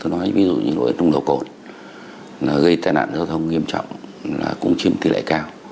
thí dụ như tôi nói ví dụ như nỗi đúng đầu cồn gây tai nạn giao thông nghiêm trọng là cũng chiếm tỷ lệ cao